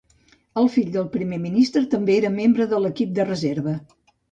El fill del primer ministre també era membre de l'equip de reserva.